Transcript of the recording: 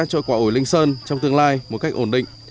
cho quả ổi linh sơn trong tương lai một cách ổn định